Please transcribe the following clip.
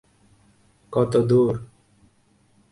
কত দূর?